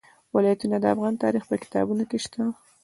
ولایتونه د افغان تاریخ په کتابونو کې شته.